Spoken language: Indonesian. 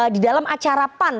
di dalam acara pan